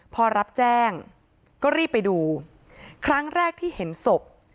พอรับแจ้งก็รีบไปดูครั้งแรกที่เห็นศพ